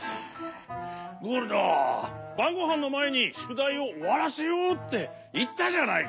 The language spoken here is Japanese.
ゴールドばんごはんのまえにしゅくだいをおわらせようっていったじゃないか。